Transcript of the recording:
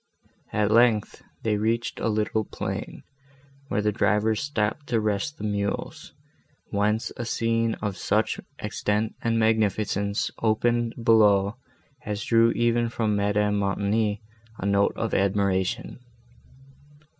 At length, they reached a little plain, where the drivers stopped to rest the mules, whence a scene of such extent and magnificence opened below, as drew even from Madame Montoni a note of admiration.